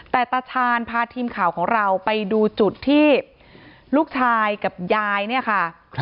แต่ตาชาญพาทีมข่าวของเราไปดูจุดที่ลูกชายกับยายเนี่ยค่ะ